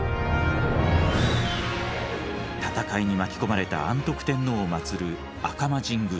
戦いに巻き込まれた安徳天皇を祭る赤間神宮。